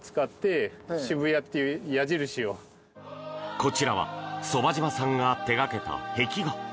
こちらは傍嶋さんが手掛けた壁画。